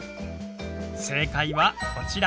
正解はこちら。